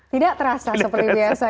tidak terasa seperti biasa